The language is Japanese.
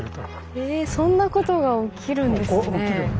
えそんなことが起きるんですね。